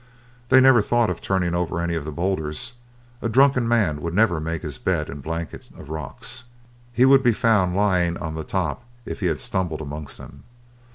They never thought of turning over any of the boulders; a drunken man would never make his bed and blanket of rocks; he would be found lying on the top if he had stumbled amongst them.